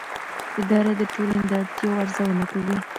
اداره د ټولنې د اړتیاوو ارزونه کوي.